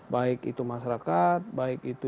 baik itu masyarakat baik itu